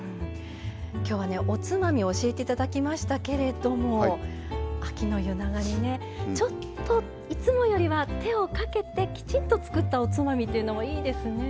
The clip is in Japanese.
今日はおつまみを教えて頂きましたけれども秋の夜長にねちょっといつもよりは手をかけてきちんとつくったおつまみというのもいいですね。